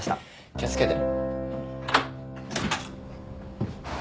気を付けて。